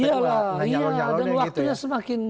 iya lah dan waktunya semakin